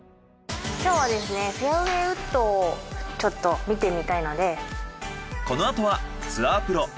今日はですねフェアウェイウッドをちょっと見てみたいので。